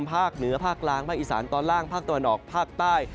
ภาคเหนือภาคกลางภาคอีสานตอนล่างภาคตะวันออกภาคใต้